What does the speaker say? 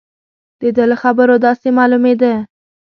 د ده له خبرو داسې معلومېده.